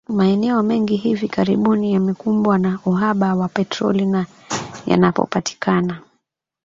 Maeneo mengi hivi karibuni yamekumbwa na uhaba wa petroli na yanapopatikana,